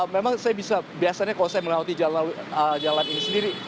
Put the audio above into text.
memang saya bisa biasanya kalau saya melewati jalan ini sendiri